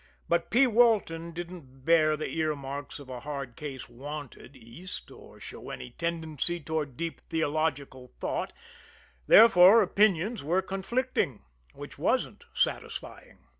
But P. Walton didn't bear the earmarks of a hard case "wanted" East, or show any tendency toward deep theological thought; therefore opinions were conflicting which wasn't satisfying.